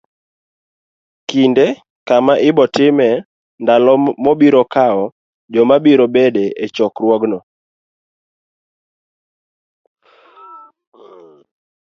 Kinde, kama ibo timee, ndalo mobiro kawo, joma biro bedo e chokruogno.